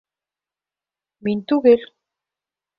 Мин түгел!